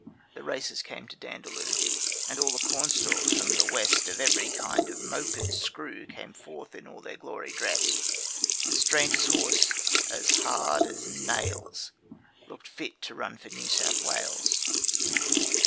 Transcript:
..... The races came to Dandaloo, And all the cornstalks from the West, On ev'ry kind of moke and screw, Came forth in all their glory drest. The stranger's horse, as hard as nails, Look'd fit to run for New South Wales.